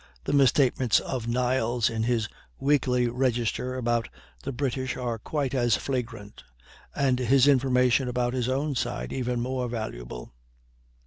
The misstatements of Niles in his "Weekly Register" about the British are quite as flagrant, and his information about his own side even more valuable.